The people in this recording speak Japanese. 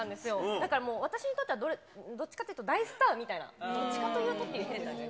だからもう私にとっては、どっちかっていうと、大スターみたいな、どっちかというとって変だね。